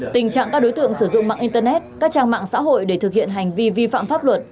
tình trạng các đối tượng sử dụng mạng internet các trang mạng xã hội để thực hiện hành vi vi phạm pháp luật